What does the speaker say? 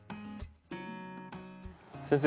先生。